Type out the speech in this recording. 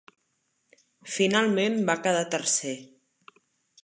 Finalment va quedar tercer.